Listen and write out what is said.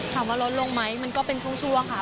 ถามว่ารถลงไหมมันก็เป็นช่วงค่ะ